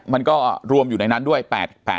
จนถึงปัจจุบันมีการมารายงานตัว